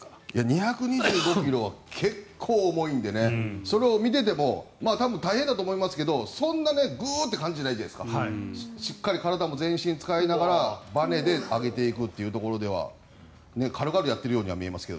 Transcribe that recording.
２２５ｋｇは結構重いのでそれをみていても大変だと思いますけど、そんなにグーッていう感じじゃないですかしっかり体も全身使いながらばねで上げていくというところでは軽々やっているように見えますが。